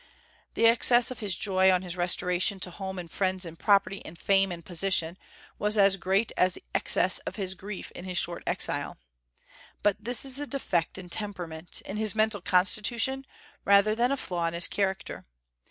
The excess of his joy on his restoration to home and friends and property and fame and position, was as great as the excess of his grief in his short exile. But this is a defect in temperament, in his mental constitution, rather than a flaw in his character.